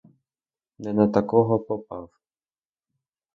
Не на такого попав!